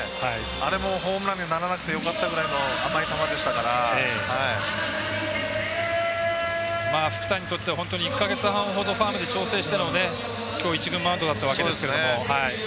あれも、ホームランにならなくてよかったぐらいの福谷にとっては１か月半ほどファームで調整しての１軍マウンドだったわけですが。